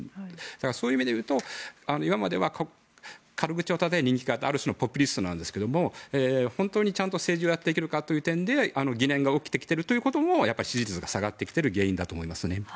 そういう意味で言うと今までは軽口をたたいて人気があったある種のポピュリストなんですけど本当に政治をやっていけるかというと疑念が起きてきているのが支持率が下がってきている原因だと思います。